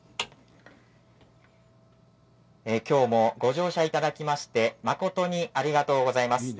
きょうもご乗車いただきまして誠にありがとうございます。